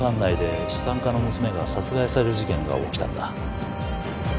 資産家の娘が殺害される事件が起きたんだ